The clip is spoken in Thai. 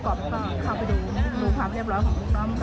ก็เข้าไปดูความเรียบร้อยของลูกน้อง